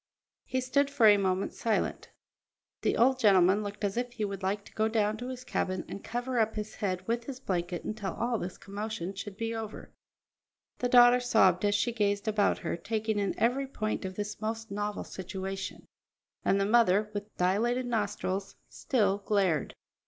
He stood for a moment silent. The old gentleman looked as if he would like to go down to his cabin and cover up his head with his blanket until all this commotion should be over; the daughter sobbed as she gazed about her, taking in every point of this most novel situation; and the mother, with dilated nostrils, still glared.